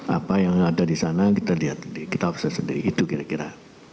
apa yang ada di sana kita lihat sendiri kita obses sendiri itu kira kira